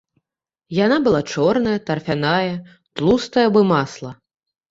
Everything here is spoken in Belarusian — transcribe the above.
Яна была чорная, тарфяная, тлустая, бы масла.